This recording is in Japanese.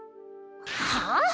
はあ⁉